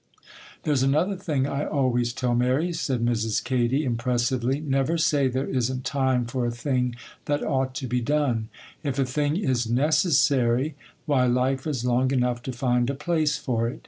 'There's another thing I always tell Mary,' said Mrs. Katy, impressively. '"Never say there isn't time for a thing that ought to be done. If a thing is necessary, why, life is long enough to find a place for it.